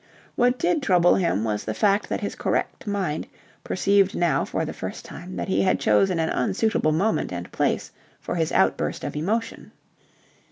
What did trouble him was the fact that his correct mind perceived now for the first time that he had chosen an unsuitable moment and place for his outburst of emotion.